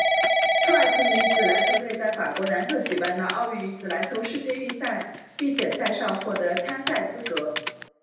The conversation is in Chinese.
土耳其女子篮球队在法国南特举办的奥运女子篮球世界预选赛上获得参赛资格。